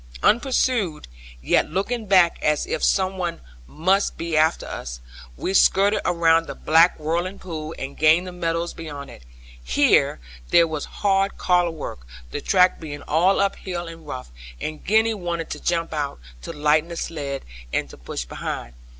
Unpursued, yet looking back as if some one must be after us, we skirted round the black whirling pool, and gained the meadows beyond it. Here there was hard collar work, the track being all uphill and rough; and Gwenny wanted to jump out, to lighten the sledd and to push behind.